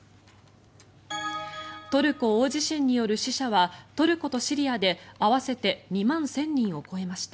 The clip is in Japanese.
トルコ大地震による死者はトルコとシリアで合わせて２万１０００人を超えました。